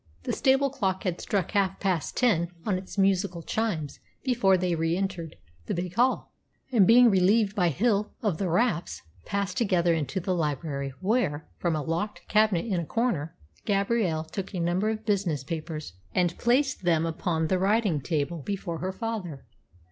The stable clock had struck half past ten on its musical chimes before they re entered the big hall, and, being relieved by Hill of the wraps, passed together into the library, where, from a locked cabinet in a corner, Gabrielle took a number of business papers and placed them upon the writing table before her father.